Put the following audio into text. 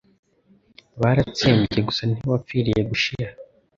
Baratsembye gusa ntitwapfiriye gushira